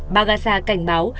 bagasa cảnh báo